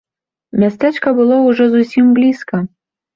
Мястэчка было ўжо зусім блізка.